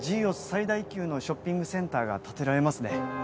最大級のショッピングセンターが建てられますね